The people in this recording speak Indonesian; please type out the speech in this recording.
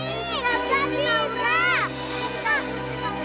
kisah ini nggak boleh kembali ke kamu